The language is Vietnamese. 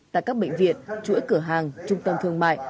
tại các bệnh viện chuỗi cửa hàng trung tâm thương mại